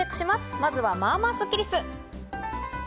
まずは、まあまあスッキりす。